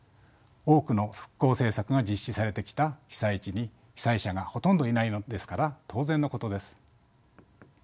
多くの復興政策が実施されてきた被災地に被災者がほとんどいないのですから当然のことです。